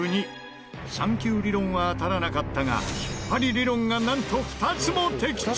３９理論は当たらなかったが引っ張り理論がなんと２つも的中。